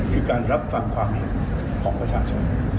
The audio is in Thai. คือการรับฟังความเห็นของประชาชน